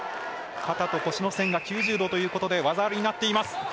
肩と腰の線が９０度ということで技ありになっています。